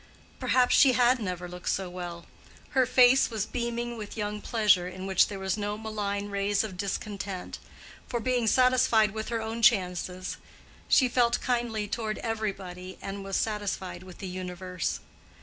Perhaps she had never looked so well. Her face was beaming with young pleasure in which there was no malign rays of discontent; for being satisfied with her own chances, she felt kindly toward everybody and was satisfied with the universe.